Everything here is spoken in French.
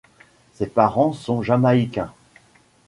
Ses parents sont jamaïcains.